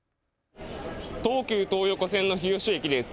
東急東横線の日吉駅です。